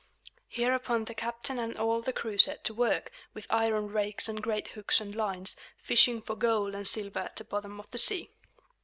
Hereupon the captain and all the crew set to work, with iron rakes and great hooks and lines, fishing for gold and silver at the bottom of the sea.